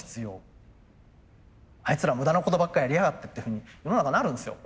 「あいつら無駄なことばっかやりやがって」っていうふうに世の中なるんですよ。